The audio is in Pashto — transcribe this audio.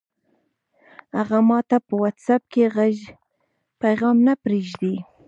هغه ماته په وټس اپ کې غږیز پیغام نه پرېږدي!